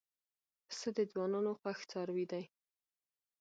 پسه د ځوانانو خوښ څاروی دی.